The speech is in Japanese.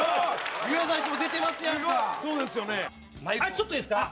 ちょっといいですか？